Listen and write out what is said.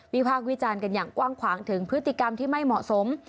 พากษ์วิจารณ์กันอย่างกว้างขวางถึงพฤติกรรมที่ไม่เหมาะสม